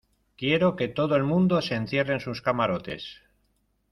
quiero que todo el mundo se encierre en sus camarotes